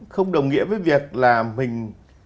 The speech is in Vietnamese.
không đồng nghĩa với việc là mình